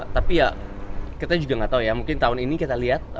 tapi ya kita juga nggak tahu ya mungkin tahun ini kita lihat